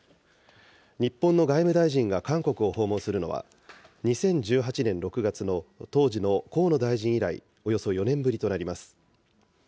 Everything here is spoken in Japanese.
日本の外務大臣が韓国を訪問するのは、２０１８年６月の当時の河野大臣以来、およそ４年ぶりとなります。